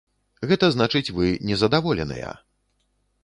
Гэта значыць, вы незадаволеныя.